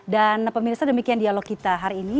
dan pemirsa demikian dialog kita hari ini